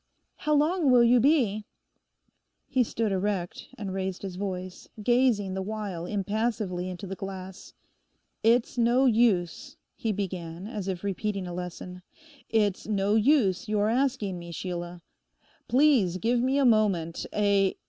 'How long will you be?' He stood erect and raised his voice, gazing the while impassively into the glass. 'It's no use,' he began, as if repeating a lesson, 'it's no use your asking me, Sheila. Please give me a moment, a...